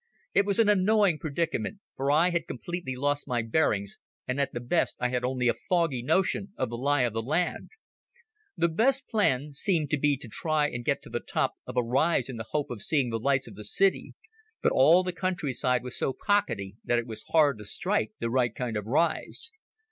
It was an annoying predicament, for I had completely lost my bearings and at the best I had only a foggy notion of the lie of the land. The best plan seemed to be to try and get to the top of a rise in the hope of seeing the lights of the city, but all the countryside was so pockety that it was hard to strike the right kind of rise.